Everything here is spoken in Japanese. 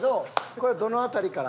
これはどの辺りから？